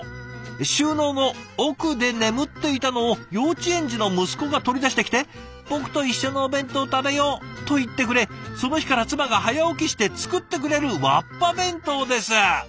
収納の奥で眠っていたのを幼稚園児の息子が取り出してきて『僕と一緒のお弁当食べよう』と言ってくれその日から妻が早起きして作ってくれるわっぱ弁当です」。